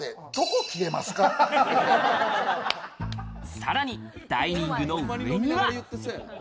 さらにダイニングの上には。